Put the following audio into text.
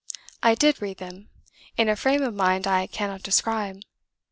I did read them, in a frame of mind I cannot describe.